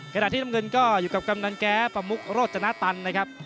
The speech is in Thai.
ขนาดที่ดำเนินก็อยู่กับกำหนังแกปมุ๊คโรชนะครับ